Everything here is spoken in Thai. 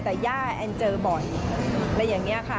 แต่ย่าแอนเจอบ่อยอะไรอย่างนี้ค่ะ